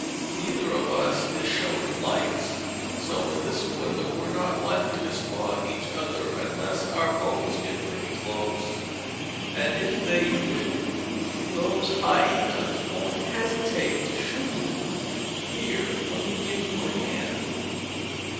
Neither of us is showing lights, so in this weather we're not likely to spot each other unless our boats get pretty close. And if they do, those hyenas won't hesitate to shoot! Here, let me give you a hand."